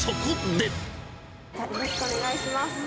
よろしくお願いします。